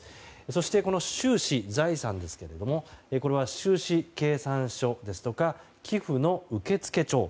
そして、収支・財産ですがこれは収支計算書ですとか寄付の受付帳。